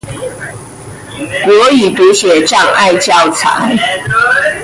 國語讀寫障礙教材